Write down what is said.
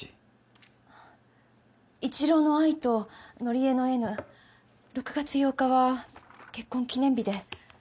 一郎の「Ｉ」と則恵の「Ｎ」６月８日は結婚記念日で。